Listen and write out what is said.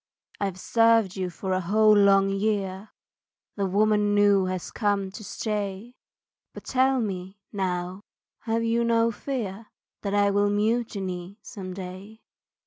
I've served you for a whole long year The woman new has come to stay But tell me, now, have you no fear That I will mutiny some day.